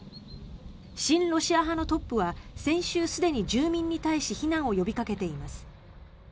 親ロシア派のトップは先週、すでに住民に対し避難を呼びかけています。